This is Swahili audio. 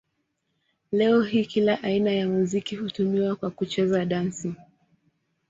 Leo hii kila aina ya muziki hutumiwa kwa kucheza dansi.